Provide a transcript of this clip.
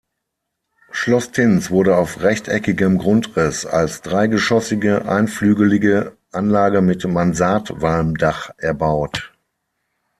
Schloss Tinz wurde auf rechteckigem Grundriss als dreigeschossige, einflügelige Anlage mit Mansardwalmdach erbaut.